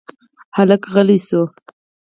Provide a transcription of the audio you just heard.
هلک غلی شو.